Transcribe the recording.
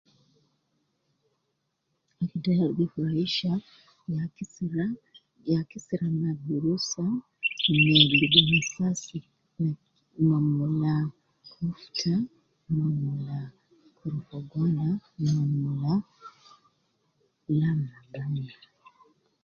Akil tai al gi furaisha ya kisira, ya kisira ma gurusa me luguma sasi me, ma mula kofta ma mula korofo gwanda ma mula lam ma bamia